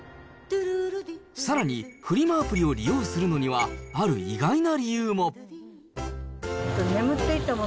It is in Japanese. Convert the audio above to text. さらに、フリマアプリを利用するのには、ある意外な理由も。